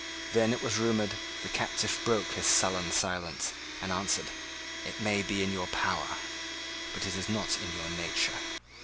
Then, it was rumoured, the captive broke his sullen silence, and answered, "It may be in your power; but it is not in your nature."